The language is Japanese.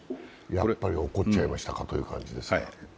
やっぱり起こっちゃいましたかという感じですか。